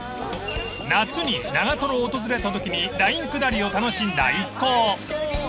［夏に長瀞を訪れたときにラインくだりを楽しんだ一行］